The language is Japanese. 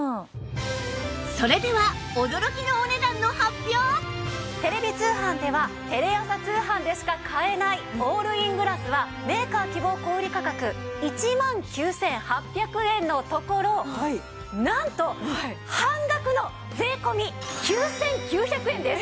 それではテレビ通販ではテレ朝通販でしか買えないオールイングラスはメーカー希望小売価格１万９８００円のところなんと半額の税込９９００円です！